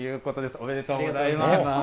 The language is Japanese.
ありがとうございます。